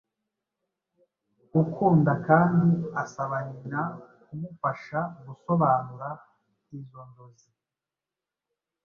ukunda kandi asaba nyina kumufasha gusobanura izo nzozi